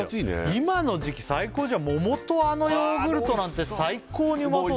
今の時期最高じゃん桃とあのヨーグルトなんて最高にうまそうだ